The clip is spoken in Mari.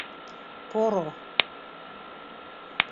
Поро